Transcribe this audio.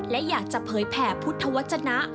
และอยากจะเผยแผ่พุทธวจนะ